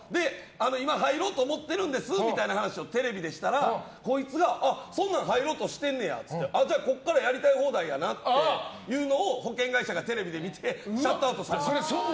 今、入ろうと思ってるんですみたいな話をテレビでしたら、こいつがそんなん入ろうとしてんねやって言ってじゃあ、ここからやりたい放題やなって言うのを保険会社がテレビで見てシャットアウトされました。